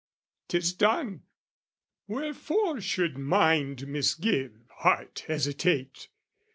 'Tis done: Wherefore should mind misgive, heart hesitate?